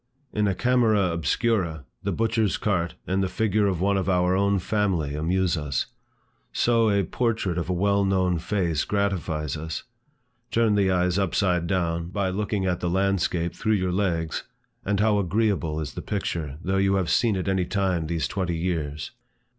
In a camera obscura, the butcher's cart, and the figure of one of our own family amuse us. So a portrait of a well known face gratifies us. Turn the eyes upside down, by looking at the landscape through your legs, and how agreeable is the picture, though you have seen it any time these twenty years!